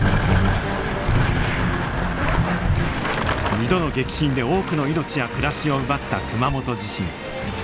２度の激震で多くの命や暮らしを奪った熊本地震。